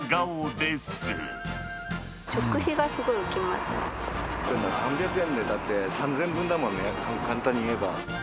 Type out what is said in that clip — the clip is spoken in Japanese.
でも、３００円で３０００円分だもんね、簡単に言えば。